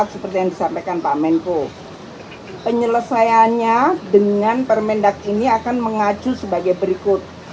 seperti yang disampaikan pak menko penyelesaiannya dengan permendak ini akan mengacu sebagai berikut